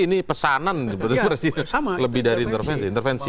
ini pesanan lebih dari intervensi